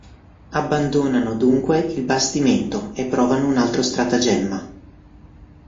Abbandonano, dunque, il bastimento e provano un altro stratagemma.